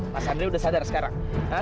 mas andre udah sadar sekarang